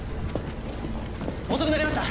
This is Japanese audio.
遅くなりました。